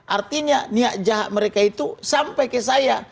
artinya niat jahat mereka itu sampai ke saya